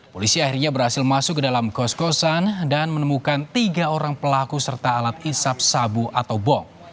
polisi akhirnya berhasil masuk ke dalam kos kosan dan menemukan tiga orang pelaku serta alat isap sabu atau bong